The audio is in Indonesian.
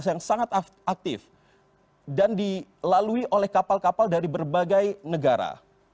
yang sangat aktif dan dilalui oleh kapal kapal dari berbagai negara